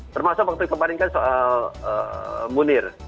termasuk waktu kemarin kan soal munir